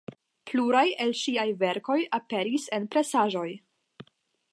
Pluraj el ŝiaj verkoj aperis en presaĵoj.